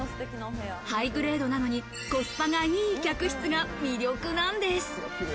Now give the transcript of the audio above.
ハイグレードなのにコスパがいい客室が魅力なんです。